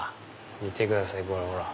見てくださいほら。